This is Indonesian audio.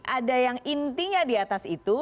ada yang intinya di atas itu